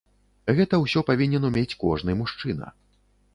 Гэта ўсё павінен умець кожны мужчына.